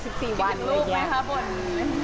คิดถึงลูกไหมคะบ่น